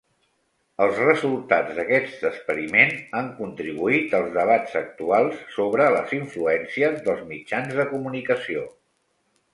Els resultats d'aquest experiment han contribuït als debats actuals sobre les influències dels mitjans de comunicació.